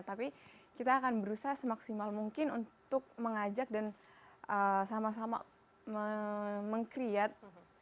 tapi kita akan berusaha semaksimal mungkin untuk mengajak dan sama sama meng create